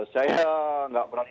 saya tidak berani